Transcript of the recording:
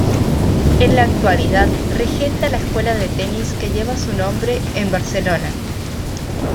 En la actualidad regenta la escuela de tenis que lleva su nombre, en Barcelona.